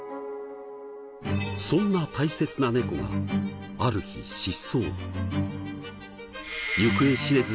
そんな大切な猫がある日失踪。